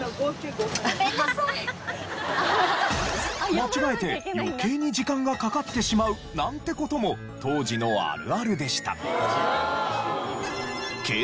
間違えて余計に時間がかかってしまうなんて事も当時のあるあるでした。